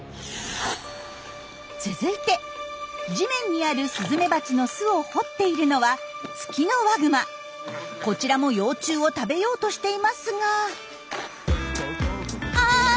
続いて地面にあるスズメバチの巣を掘っているのはこちらも幼虫を食べようとしていますがあ痛そう！